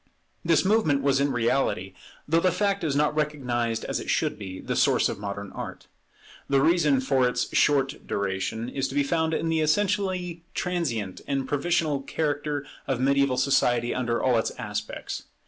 This movement was in reality, though the fact is not recognized as it should be, the source of modern Art. The reason for its short duration is to be found in the essentially transient and provisional character of mediaeval society under all its aspects.